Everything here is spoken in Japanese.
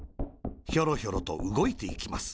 ひょろひょろと、うごいていきます。